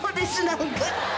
なんか。